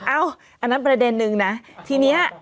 อันนั้นประเด็นนึงนะทีนี้